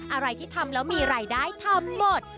อะไรที่ทำแล้วมีรายได้ทำหมด